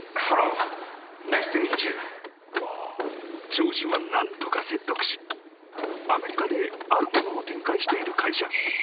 ［上司を何とか説得しアメリカであるものを展開している会社